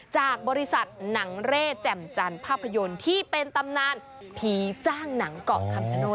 จากบริษัทหนังเร่แจ่มจันทร์ภาพยนตร์ที่เป็นตำนานผีจ้างหนังเกาะคำชโนธ